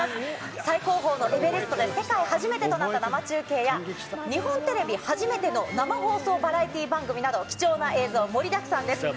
最高峰のエベレストで世界初めてとなった生中継や、日本テレビ初めての生放送バラエティー番組など、貴重な映像盛りだくさんです。